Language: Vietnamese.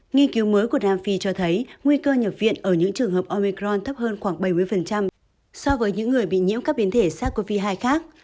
nghiên cứu mới của nam phi cho thấy nguy cơ nhập viện ở những trường hợp omecron thấp hơn khoảng bảy mươi so với những người bị nhiễm các biến thể sars cov hai khác